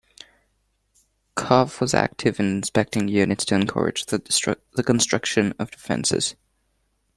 Gough was active in inspecting units to encourage the construction of defences.